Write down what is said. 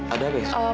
ada apa sih